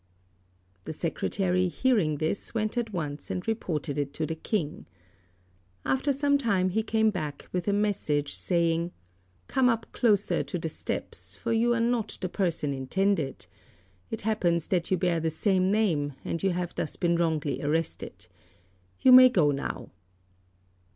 The secretary, hearing this, went at once and reported it to the King. After some time he came back with a message, saying, "Come up closer to the steps, for you are not the person intended. It happens that you bear the same name and you have thus been wrongly arrested. You may go now."